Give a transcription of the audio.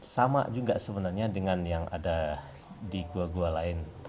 sama juga sebenarnya dengan yang ada di gua gua lain